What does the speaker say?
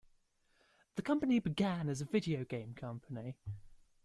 The company began as a video game company.